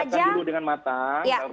kami siapkan dulu dengan matang